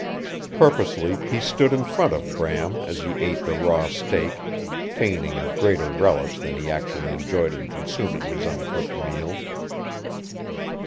Purposely he stood in front of Bram as he ate the raw steak, feigning a greater relish than he actually enjoyed in consuming his uncooked meal.